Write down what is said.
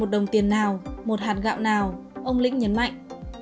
một đồng tiền nào một hạt gạo nào ông lĩnh nhấn mạnh